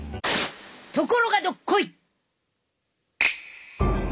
ところがどっこい！